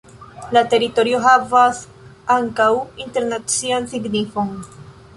La teritorio havas ankaŭ internacian signifon.